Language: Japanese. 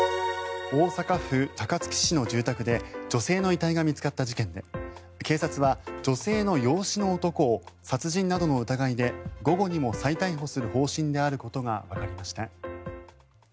大阪府高槻市の住宅で女性の遺体が見つかった事件で警察は、女性の養子の男を殺人などの疑いで午後にも再逮捕する方針であることがわかりました。